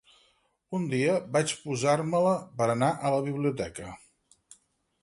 Un dia, vaig posar-me-la per anar a la biblioteca.